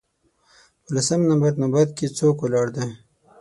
په لسم نمبر نوبت کې څوک ولاړ دی